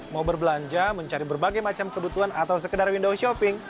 mau berbelanja mencari berbagai macam kebutuhan atau sekedar window shopping